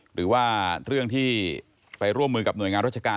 หรือว่าเรื่องที่ไปร่วมมือกับหน่วยงานราชการ